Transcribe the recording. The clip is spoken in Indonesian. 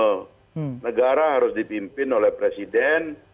karena negara harus dipimpin oleh presiden